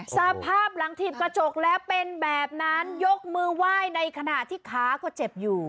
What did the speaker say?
สภาพหลังถีบกระจกแล้วเป็นแบบนั้นยกมือไหว้ในขณะที่ขาก็เจ็บอยู่